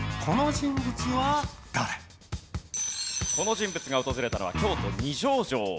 この人物が訪れたのは京都二条城。